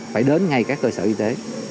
phải đến ngay các cơ sở y tế